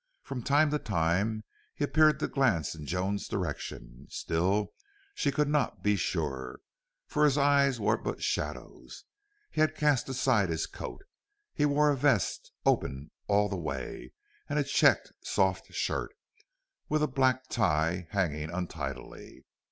From time to time he appeared to glance in Joan's direction; still, she could not be sure, for his eyes were but shadows. He had cast aside his coat. He wore a vest open all the way, and a checked soft shirt, with a black tie hanging untidily.